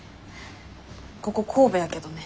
ここ神戸やけどね。